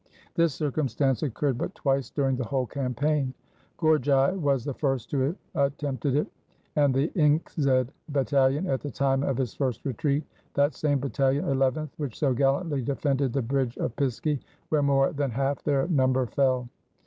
This circumstance occurred but twice during the whole campaign. Gorgei was the first who attempted it, with the Inczed battalion, at the time of his first retreat; that same battalion (eleventh) which so gallantly defended the bridge of Piski, where more than half their number fell.